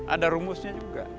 ada rumusnya juga